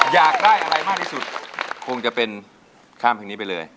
อยากได้อะไรมากที่สุดคงจะเป็นข้ามเพลงนี้ไปเลย